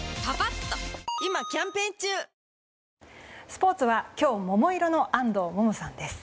スポーツは今日、桃色の安藤萌々さんです。